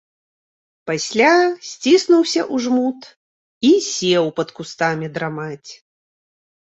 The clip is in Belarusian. Пасля сціснуўся ў жмут і сеў пад кустамі драмаць.